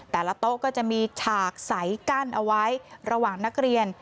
แต่ละโต๊ะก็จะมีฉากใสกั้นเอาไว้ระหว่างนักเรียน